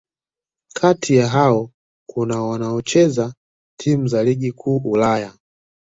Kati ya hao kuna wanaocheza timu za Ligi Kuu Ulaya